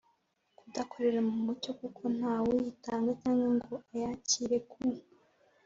kudakorera mu mucyo kuko ntawuyitanga cyangwa ngo ayakire ku